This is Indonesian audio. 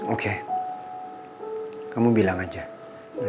oke kamu bilang aja